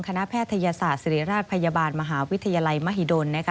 แพทยศาสตร์ศิริราชพยาบาลมหาวิทยาลัยมหิดล